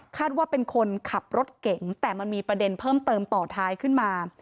ว่าเป็นคนขับรถเก่งแต่มันมีประเด็นเพิ่มเติมต่อท้ายขึ้นมา